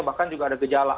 bahkan juga ada gejala